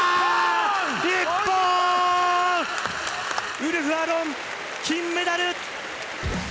ウルフ・アロン、金メダル！